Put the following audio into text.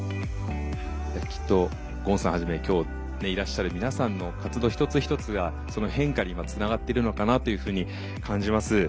きっと権さんはじめ今日いらっしゃる皆さんの活動一つ一つがその変化に今つながっているのかなというふうに感じます。